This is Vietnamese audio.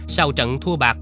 sau trận thua bạc